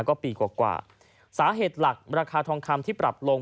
ก็ปีกว่าสาเหตุหลักราคาทองคำที่ปรับลง